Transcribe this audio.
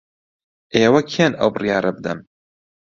ئێوە کێن ئەو بڕیارە بدەن؟